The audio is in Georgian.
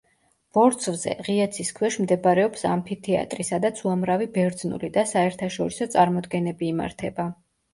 ბორცვზე, ღია ცის ქვეშ მდებარეობს ამფითეატრი, სადაც უამრავი ბერძნული და საერთაშორისო წარმოდგენები იმართება.